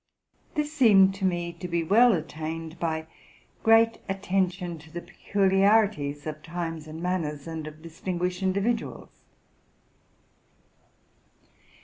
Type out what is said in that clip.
This seemed to me*to be well attained by great attention to the peculiarities of times and manners and of distinguished individuals.